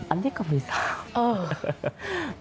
อันนี้ก็มีซัก